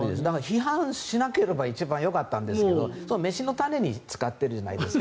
批判しなければ一番よかったんですけど飯のタネに使ってるじゃないですか。